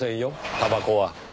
たばこは。